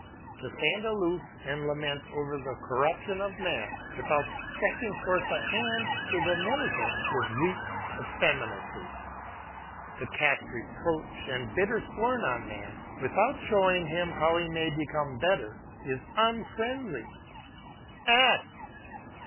To stand aloof and lament over the corruption of man, without stretching forth a hand to diminish it, is weak effeminacy ; to cast reproach and bitter scorn on man, without showing him how he may become better, is unfriendly. Act!